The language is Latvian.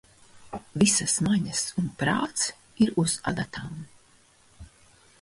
Visas maņas un prāts ir uz adatām.